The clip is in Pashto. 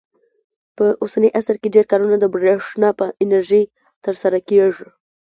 په اوسني عصر کې ډېر کارونه د برېښنا په انرژۍ ترسره کېږي.